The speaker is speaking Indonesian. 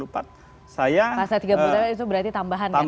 pasal tiga puluh tahun itu berarti tambahan kan